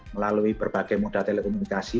melalui berbagai moda telekomunikasi